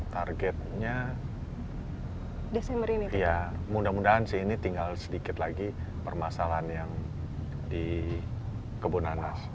targetnya mudah mudahan sih ini tinggal sedikit lagi permasalahan yang di kebun anas